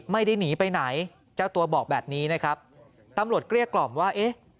ไม่ได้หนีไปไหนเจ้าตัวบอกแบบนี้นะครับตำรวจเกลี้ยกล่อมว่าเอ๊ะ